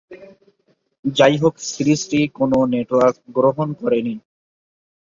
যাইহোক, সিরিজটি কোন নেটওয়ার্ক গ্রহণ করেনি।